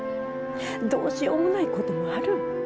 どうしようもないこともある。